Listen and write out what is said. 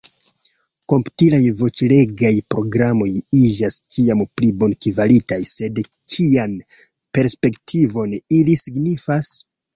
Komputilaj voĉlegaj programoj iĝas ĉiam pli bonkvalitaj, sed kian perspektivon ili signifas?